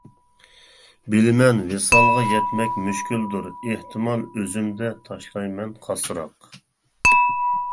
بىلىمەن ۋىسالغا يەتمەك مۈشكۈلدۇر، ئېھتىمال ئۆزۈمدە تاشلايمەن قاسراق.